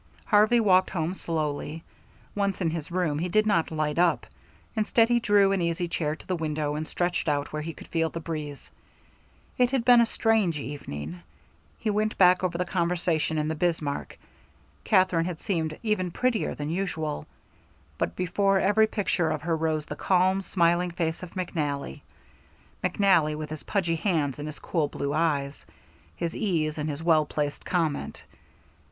Harvey walked home slowly. Once in his room, he did not light up; instead he drew an easy chair to the window and stretched out where he could feel the breeze. It had been a strange evening. He went back over the conversation in the Bismarck. Katherine had seemed even prettier than usual; but before every picture of her rose the calm, smiling face of McNally McNally with his pudgy hands and his cool blue eyes, his ease and his well placed comment.